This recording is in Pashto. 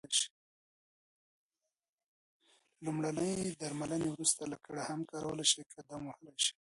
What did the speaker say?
له لمرینې درملنې وروسته لکړه هم کارولای شې، قدم وهلای شې.